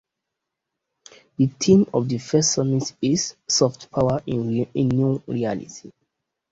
The theme of the first summit is "Soft power in new reality".